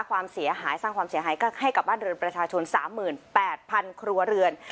ความเสียหายสร้างความเสียหายให้กับบ้านเรือนประชาชน๓๘๐๐๐ครัวเรือน